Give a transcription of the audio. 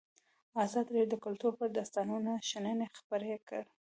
ازادي راډیو د کلتور په اړه د استادانو شننې خپرې کړي.